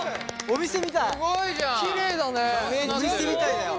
お店みたいだよ。